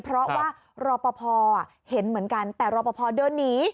เพราะว่ารอปภเห็นเหมือนกันแต่รอปภเดินหนี